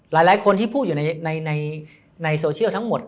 หลายคนที่พูดอยู่ในโซเชียลทั้งหมด